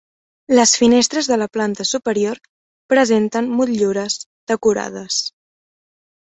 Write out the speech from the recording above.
Les finestres de la planta superior presenten motllures decorades.